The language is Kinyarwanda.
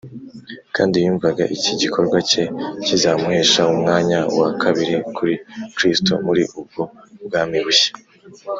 kandi yumvaga iki gikorwa cye kizamuhesha umwanya wa kabiri kuri kristo muri ubwo bwami bushya